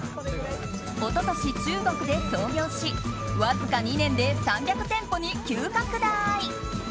一昨年、中国で創業しわずか２年で３００店舗に急拡大。